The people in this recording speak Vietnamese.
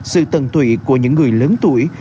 sự tần tụy của những người lớn tuổi